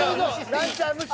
ランチャー無視。